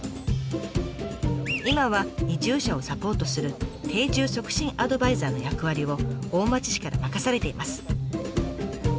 今は移住者をサポートする定住促進アドバイザーの役割を大町市から任されています。